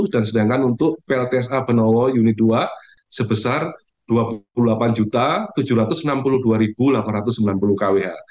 dan sedangkan untuk pltsa benowo unit dua sebesar dua puluh delapan tujuh ratus enam puluh dua delapan ratus sembilan puluh kwh